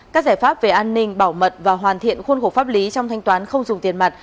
các giải pháp về an ninh bảo mật và hoàn thiện khuôn khổ pháp lý trong thanh toán không dùng tiền mặt